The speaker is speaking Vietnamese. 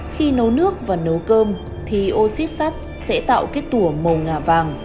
khi nấu nước và nấu cơm thì ô xít sắt sẽ tạo kết tủa màu ngả vàng